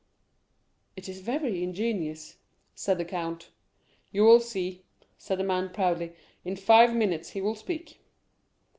"It is very ingenious," said the count. "You will see," said the man proudly; "in five minutes he will speak."